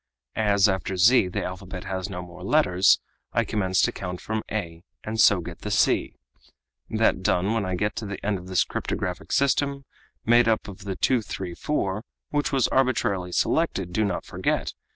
As after z the alphabet has no more letters, I commence to count from a, and so get the c. That done, when I get to the end of this cryptographic system, made up of the 234 which was arbitrarily selected, do not forget!